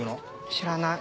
知らない。